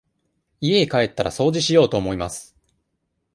家へ帰ったら、掃除しようと思います。